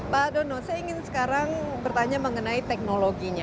pak dono saya ingin sekarang bertanya mengenai teknologinya